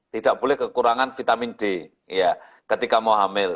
tidak boleh kekurangan vitamin d ketika mau hamil